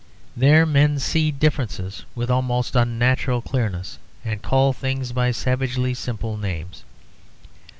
There men see differences with almost unnatural clearness, and call things by savagely simple names.